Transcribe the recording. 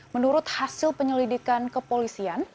menurut hasil penyelidikan kepolisian